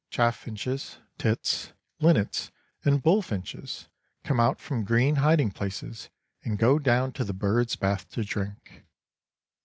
Chaffinches, tits, linnets, and bullfinches come out from green hiding places and go down to the birds' bath to drink.